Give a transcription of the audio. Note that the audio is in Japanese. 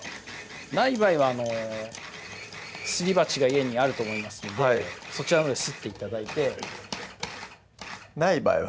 ない場合はすり鉢が家にあると思いますのでそちらのほうですって頂いてない場合は？